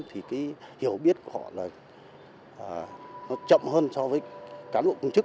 thì cái hiểu biết của họ là nó chậm hơn so với cán bộ công chức